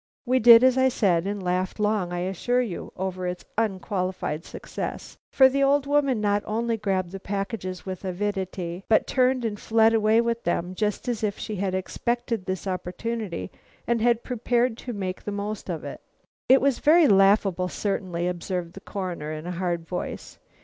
We did as I said; and laughed long, I assure you, over its unqualified success; for the old woman not only grabbed the packages with avidity, but turned and fled away with them, just as if she had expected this opportunity and had prepared herself to make the most of it." "It was very laughable, certainly," observed the Coroner, in a hard voice.